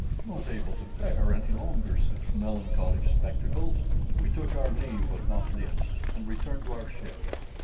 Not able to bear any longer such melancholy spectacles, we took our leave of Nauplius, and returned to our ship.